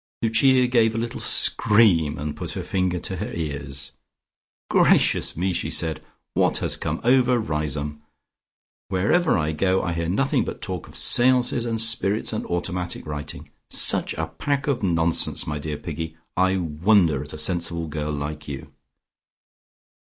Lucia gave a little scream, and put her fingers to her ears. "Gracious me!" she said. "What has come over Riseholme? Wherever I go I hear nothing but talk of seances, and spirits, and automatic writing. Such a pack of nonsense, my dear Piggy. I wonder at a sensible girl like you."